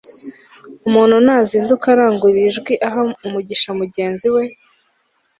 umuntu nazinduka arangurura ijwi aha umugisha mugenzi we